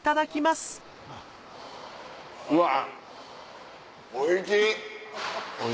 うわ。